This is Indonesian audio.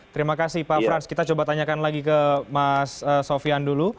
terima kasih pak frans kita coba tanyakan lagi ke mas sofian dulu